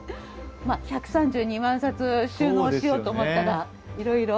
まあ１３２万冊収納しようと思ったらいろいろ。